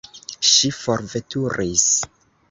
Ŝi forveturis.